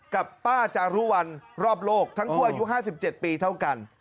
กับป้าจารุวัลรอบโลกทั้งคู่อายุ๕๗ปีเท่ากัน